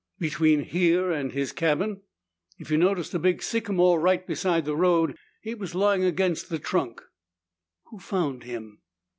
"Between here and his cabin. If you noticed a big sycamore right beside the road, he was lying against the trunk." "Who found him?"